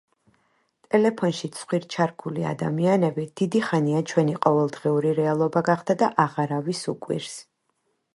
ტელეფონში ცხვირჩარგული ადამიანები დიდი ხანია ჩვენი ყოველდღიური რეალობა გახდა და აღარავის უკვირს.